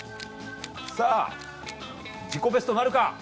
さぁ自己ベストなるか？